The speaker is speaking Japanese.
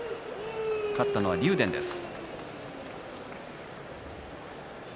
勝ったのは竜電です。